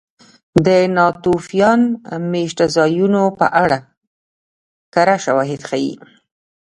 د ناتوفیان مېشتځایونو په اړه کره شواهد ښيي